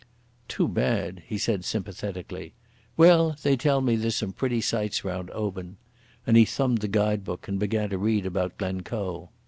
"Too bad," he said sympathetically. "Well, they tell me there's some pretty sights round Oban." And he thumbed the guide book and began to read about Glencoe.